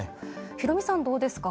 ヒロミさん、どうですか？